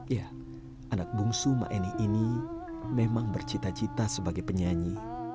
ya anak bungsu maeni ini memang bercita cita sebagai penyanyi